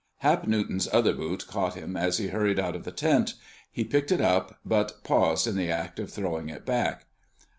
Hap Newton's other boot caught him as he hurried out of the tent. He picked it up, but paused in the act of throwing it back.